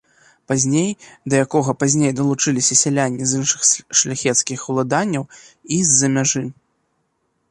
Пазней да якога пазней далучыліся сяляне з іншых шляхецкіх уладанняў і з-за мяжы.